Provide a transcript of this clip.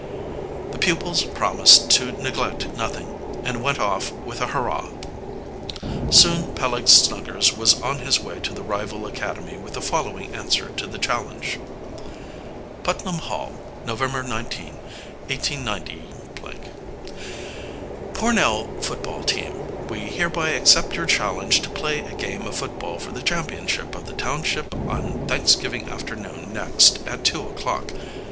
The pupils promised to neglect nothing, and went off with a hurrah. Soon Peleg Snuggers was on his way to the rival academy with the following answer to the challenge: "PUTNAM HALL, November 19, 189 "Pornell Football Team: We hereby accept your challenge to play a game of football for the championship of the township on Thanksgiving afternoon next at two o'clock.